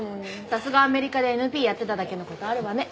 さすがアメリカでＮＰやってただけの事あるわね。